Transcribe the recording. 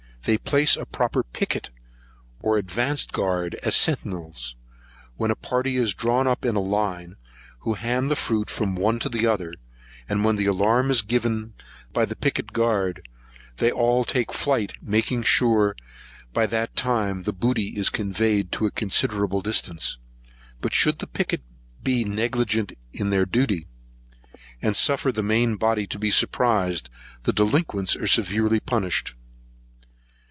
They place a proper piquet, or advanced guard, as sentinels, when a party is drawn up in a line, who hand the fruit from one to another; and when the alarm is given by the piquet guard, they all take flight, making sure that by that time the booty is conveyed to a considerable distance. But should the piquet be negligent in their duty, and suffer the main body to be surprised, the delinquents are severely punished.